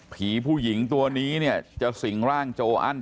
ผีผู้หญิงตัวนี้จะสิ่งร่างโจอันทร์